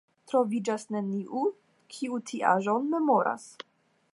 Troviĝas neniu, kiu tiaĵon memoras.